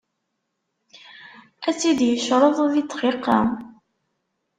Ad tt-id-yecreḍ di dqiqa.